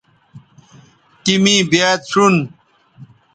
تی می بیاد شون